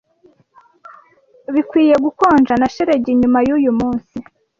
Bikwiye gukonja na shelegi nyuma yuyu munsi.